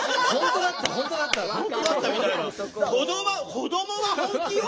「子どもは本気よ！」